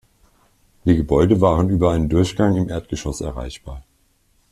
Die Gebäude waren über einen Durchgang im Erdgeschoss erreichbar.